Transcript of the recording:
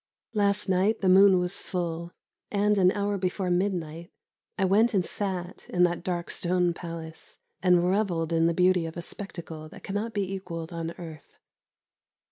Last night the moon was full, and, an hour before midnight, I went and sat in that dark stone palace, and revelled in the beauty of a spectacle that cannot be equalled on earth.